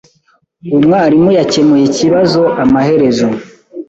Umwarimu yakemuye ikibazo amaherezo.